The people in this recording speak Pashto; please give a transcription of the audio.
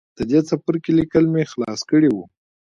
د دې څپرکي ليکل مې خلاص کړي وو